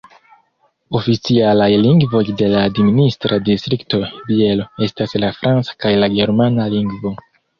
Oficialaj lingvoj de la administra distrikto Bielo estas la franca kaj la germana lingvo.